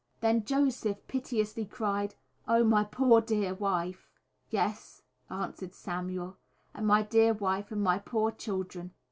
Then Joseph piteously cried, "Oh, my poor, dear wife," "Yes," answered Samuel, "and my dear wife and my poor children."